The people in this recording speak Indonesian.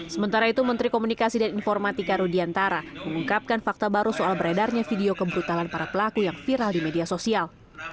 sementara itu menteri komunikasi dan informatika rudiantara mengungkapkan fakta baru soal beredarnya video kebrutalan para pelaku yang viral di media sosial